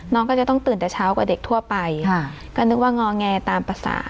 น้องก็จะต้องตื่นแต่เช้ากว่าเด็กทั่วไปก็นึกว่างอแงตามภาษา